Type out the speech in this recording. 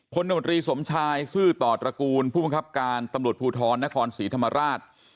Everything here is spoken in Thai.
นมตรีสมชายซื่อต่อตระกูลผู้บังคับการตำรวจภูทรนครศรีธรรมราช